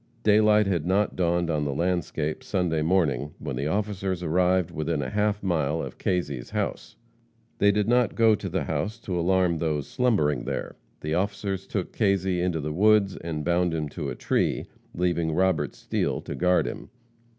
Daylight had not dawned on the landscape Sunday morning when the officers arrived within a half mile of Kazy's house. They did not go to the house to alarm those slumbering there. The officers took Kazy into the woods and bound him to a tree, leaving Robert Steele to guard him.